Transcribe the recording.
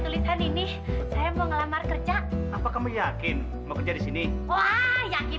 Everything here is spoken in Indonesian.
tulisan ini saya mau ngelamar kerja apa kamu yakin mau kerja disini wah yakini